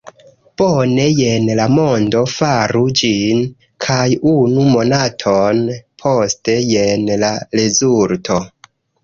"Bone, jen la mondo, faru ĝin!" kaj unu monaton poste, jen la rezulto!